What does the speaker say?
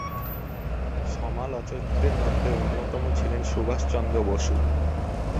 সমালোচকদের মধ্যে অন্যতম ছিলেন সুভাষচন্দ্র বসু।